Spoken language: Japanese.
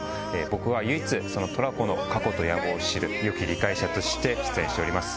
僕は唯一トラコの過去と野望を知るよき理解者として出演しております。